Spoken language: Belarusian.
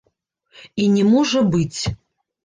І не можа быць.